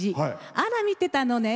「あら見てたのね」。